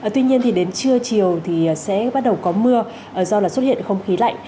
tuy nhiên thì đến trưa chiều thì sẽ bắt đầu có mưa do là xuất hiện không khí lạnh